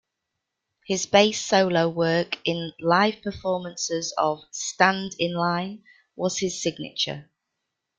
His bass solo work in live performances of "Stand in Line" was his signature.